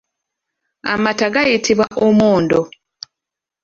Amata gayitibwa omwondo.